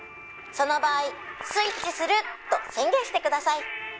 「その場合“スイッチする！”と宣言してください」